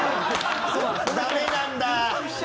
ダメなんだ！